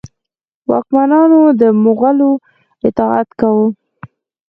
واکمنانو د مغولو اطاعت کاوه.